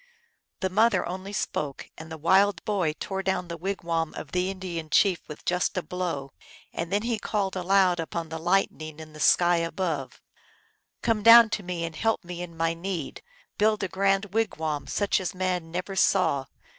The mother only spoke, and the wild boy tore down the wigwam of the Indian chief just with a blow, and then he called aloud unto the Lightning in the sky above, " Come down to me and help me in my need ! Build a grand wigwam such as man ne er saw